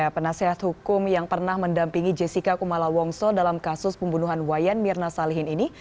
penasehat hukum yang pernah mendampingi jessica kumala wongso dalam kasus pembunuhan wayan mirna salihin ini